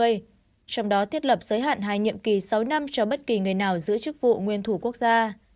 trong đó thiết lập giới hạn hai nhiệm kỳ sáu năm cho bất kỳ người nào giữ chức vụ nguyên thủ quốc gia